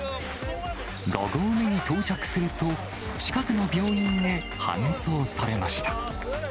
５合目に到着すると、近くの病院へ搬送されました。